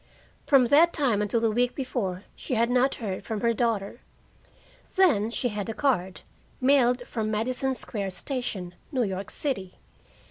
From that time until a week before, she had not heard from her daughter. Then she had a card, mailed from Madison Square Station, New York City.